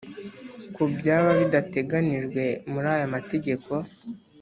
Kubyaba bidateganijwe muri aya mategeko